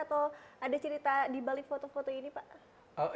atau ada cerita di balik foto foto ini pak